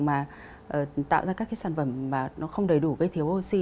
mà tạo ra các cái sản phẩm mà nó không đầy đủ gây thiếu oxy